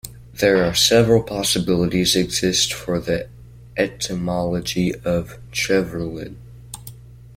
There are several possibilities exist for the etymology of "Treverlen".